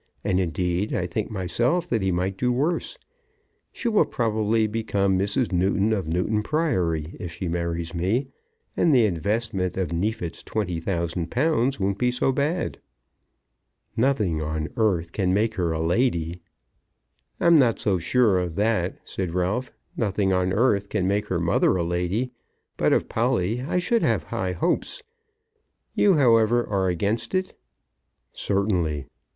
And, indeed, I think myself that he might do worse. She will probably become Mrs. Newton of Newton Priory if she marries me; and the investment of Neefit's twenty thousand pounds won't be so bad." "Nothing on earth can make her a lady." "I'm not so sure of that," said Ralph. "Nothing on earth can make her mother a lady; but of Polly I should have hopes. You, however, are against it?" "Certainly."